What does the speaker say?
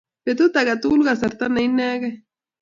Petut age tugul ko kasarta ne inegei